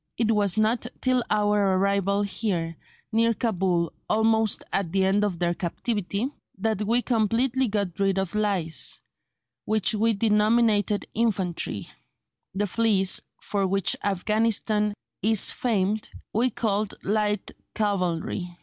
It was not till our arrival here (near Cabul, almost at the end of their captivity) that we completely got rid of lice, which we denominated infantry; the fleas, for which Afghanistan is famed, we called light cavalry."